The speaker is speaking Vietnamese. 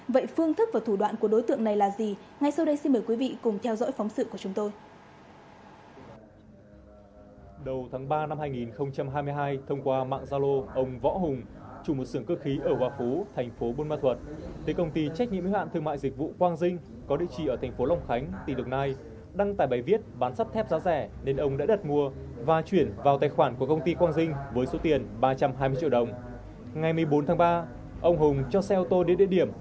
vậy phương thức và thủ đoạn của đối tượng này là gì ngay sau đây xin mời quý vị cùng theo dõi phóng sự của chúng tôi